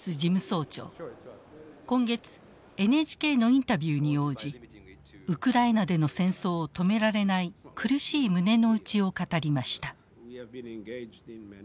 今月ＮＨＫのインタビューに応じウクライナでの戦争を止められない苦しい胸の内を語りました。